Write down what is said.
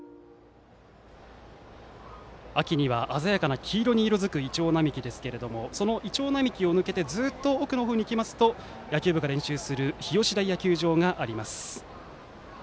秋には鮮やかな黄色に色づくイチョウ並木ですがそのイチョウ並木を抜けてずっと奥の方に行きますと野球部が練習する日吉台野球場があります。